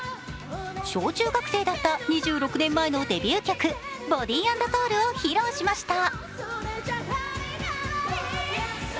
小中学生だった２６年前のデビュー曲、「Ｂｏｄｙ＆Ｓｏｕｌ」を披露しました。